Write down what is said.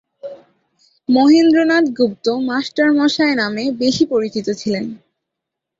Mahendranath Gupta "master মশায়" নামে বেশি পরিচিত ছিলেন।